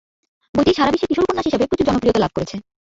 বইটি সারা বিশ্বে কিশোর উপন্যাস হিসেবে প্রচুর জনপ্রিয়তা লাভ করেছে।